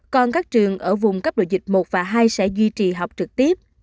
còn các trường ở vùng cấp độ dịch một và hai sẽ duy trì học trực tiếp